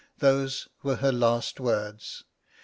Those were her last words.